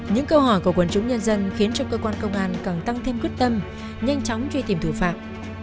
những câu hỏi của quân chủ nhân dân khiến trong cơ quan công an cần tăng thêm quyết tâm nhanh chóng truy tìm thủ phạm